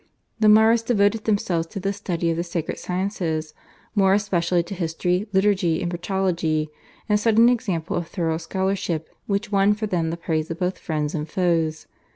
The Maurists devoted themselves to the study of the sacred sciences, more especially to history, liturgy and patrology, and set an example of thorough scholarship which won for them the praise of both friends and foes.